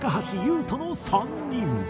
斗の３人